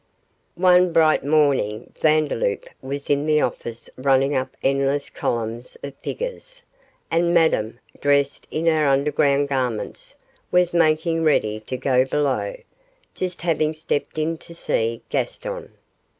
One bright morning Vandeloup was in the office running up endless columns of figures, and Madame, dressed in her underground garments, was making ready to go below, just having stepped in to see Gaston.